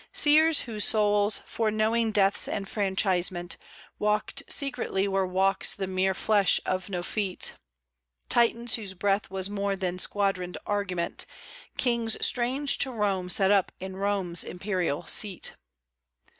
Seers whose souls, foreknowing death's enfranchisement, Walked secretly where walks the mere flesh of no feet; Titans whose breath was more than squadroned argument; Kings strange to Rome set up in Rome's imperial seat.